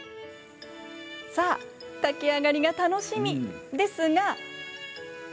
さあ炊き上がりが楽しみ！ですが。